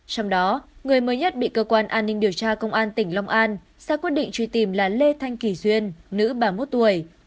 trong đó người mới nhất bị cơ quan an ninh điều tra công an tỉnh long an ra quyết định truy tìm là lê thanh kỳ duyên nữ ba mươi một tuổi